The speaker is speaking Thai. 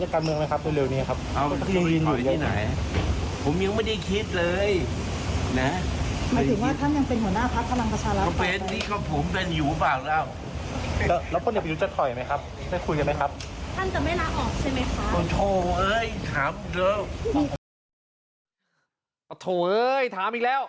โถ่เฮ้ยถามอีกแล้ว